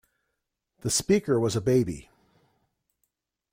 The speaker was a baby!